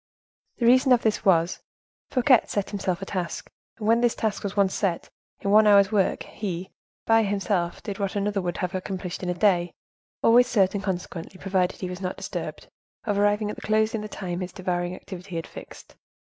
The reason of this was, Fouquet set himself a task, and when this task was once set, in one hour's work he, by himself, did what another would not have accomplished in a day; always certain, consequently, provided he was not disturbed, of arriving at the close in the time his devouring activity had fixed.